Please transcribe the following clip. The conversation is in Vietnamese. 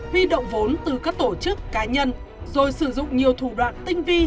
huy động vốn từ các tổ chức cá nhân rồi sử dụng nhiều thủ đoạn tinh vi